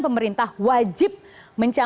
pemerintah wajib mencari